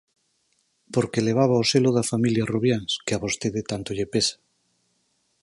Porque levaba o selo da familia Rubiáns, que a vostede tanto lle pesa.